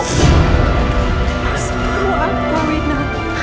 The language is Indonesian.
masa peruan kau wina